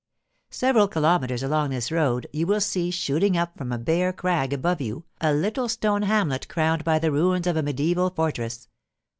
Several kilometers along this road you will see shooting up from a bare crag above you a little stone hamlet crowned by the ruins of a mediaeval fortress.